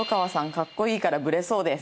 格好いいからブレそうです」